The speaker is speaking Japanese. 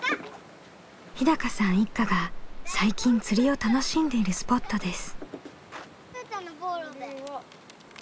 日さん一家が最近釣りを楽しんでいるスポットです。